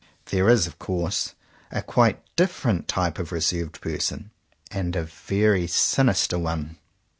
There is of course a quite different type of reserved person, and a very sinister one.